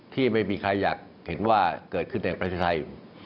ที่ไม่มีใครอยากเห็นว่าเกิดขึ้นในประเทศไทย